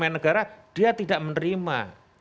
ketika hukuman negara dia tidak menerima